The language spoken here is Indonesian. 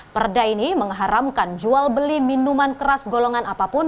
perda ini mengharamkan jual beli minuman keras golongan apapun